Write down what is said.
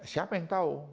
siapa yang tahu